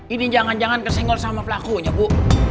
ini jangan jangan kesenggol sama pelakunya bu